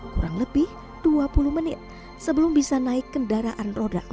kurang lebih dua puluh menit sebelum bisa naik kendaraan roda empat